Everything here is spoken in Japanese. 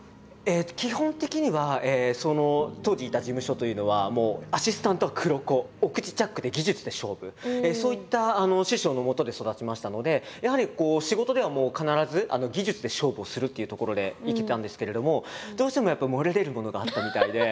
基本的にはその当時いた事務所というのはそういった師匠のもとで育ちましたのでやはりこう仕事ではもう必ず技術で勝負をするっていうところで生きてたんですけれどもどうしてもやっぱり漏れ出るものがあったみたいで。